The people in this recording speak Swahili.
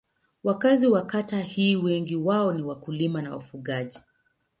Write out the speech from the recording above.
Wakazi wa kata hii wengi wao ni wakulima na wafugaji.